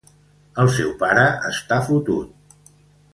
El seu pare està fotut.